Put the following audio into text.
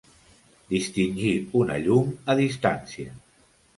Distingir una llum a distància.